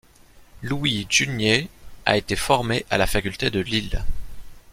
Louis Jugnet a été formé à la faculté de Lille.